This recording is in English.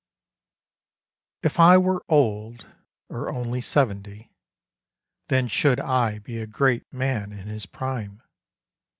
If I were old, or only seventy, Then should I be a great man in his prime.